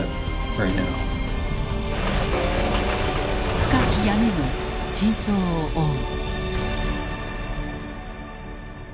深き闇の真相を追う。